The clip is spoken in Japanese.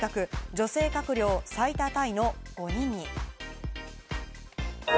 女性閣僚、最多タイの５人に。